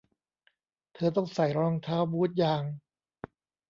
เธอต้องใส่รองเท้าบูทยาง